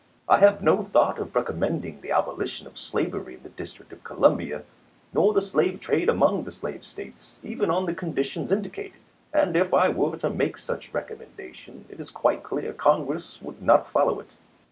I have no thought of recommending the abolition of slavery in the District of Columbia, nor the slave trade among the slave States, even on the conditions indicated ; and if I were to make such recommendation, it is quite clear Congress would not follow it.